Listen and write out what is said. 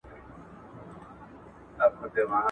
وخت په وخت به یې پر کور کړلی پوښتني ..